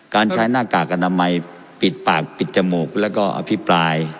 การใช้หน้ากากอนามัยปิดปากปิดจมูกแล้วก็อภิปราย